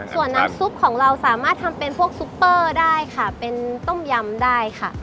ส่วนน้ำซุปของเราสามารถทำเป็นพวกซุปเปอร์ได้ค่ะเป็นต้มยำได้ค่ะ